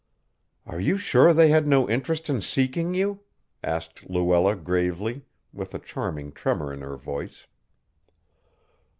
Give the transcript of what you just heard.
"Are you sure they had no interest in seeking you?" asked Luella gravely, with a charming tremor in her voice.